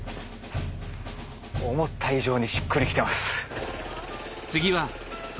思った以上にしっくりきてます。